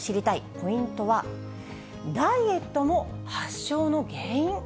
ポイントは、ダイエットも発症の原因？